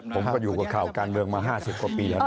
ผมก็อยู่กับข่าวการเมืองมา๕๐กว่าปีแล้วนะ